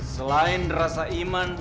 selain rasa iman